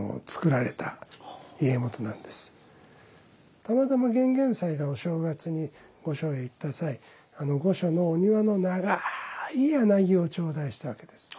たまたま玄々斎がお正月に御所へ行った際あの御所のお庭の長い柳を頂戴したわけです。